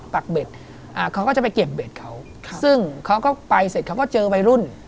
ปากเบ็ดเขาก็จะไปเก็บเบ็ดเขา